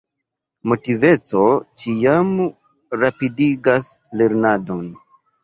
Motiviteco ĉiam rapidigas lernadon.